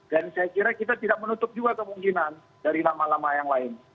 dan saya kira kita tidak menutup juga kemungkinan dari nama nama yang lain